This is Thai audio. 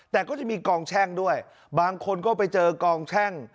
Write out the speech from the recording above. แต่ก็จะมีกองแช่งด้วยบางคนก็ไปเจอกองแช่ง